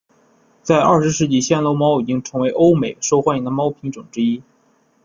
在二十世纪开始暹罗猫已成为欧美受欢迎的猫品种之一。